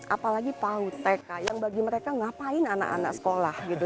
apalagi pau tk yang bagi mereka ngapain anak anak sekolah gitu